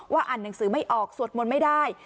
อ่านหนังสือไม่ออกสวดมนต์ไม่ได้